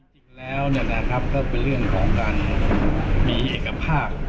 จริงแล้วก็เป็นเรื่องของการมีเอกภาพ